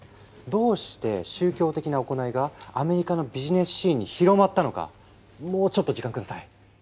どうして宗教的な行いがアメリカのビジネスシーンに広まったのかもうちょっと時間下さい。